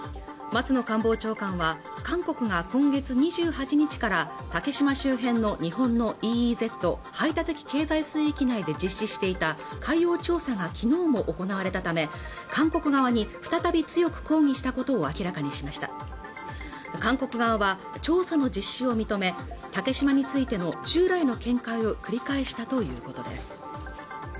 松野官房長官は韓国が今月２８日から竹島周辺の日本のＥＥＺ＝排他的経済水域内で実施していた海洋調査がきのうも行われたため韓国側に再び強く抗議したことを明らかにしました韓国側は調査の実施を認め竹島についての従来の見解を繰り返したということです